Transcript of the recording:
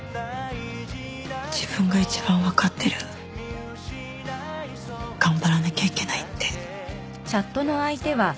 「自分が一番わかってる」「頑張らなきゃいけないって」